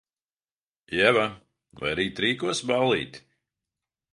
Ieva, vai rīt rīkosi ballīti?